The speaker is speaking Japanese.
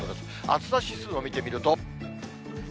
暑さ指数を見てみると。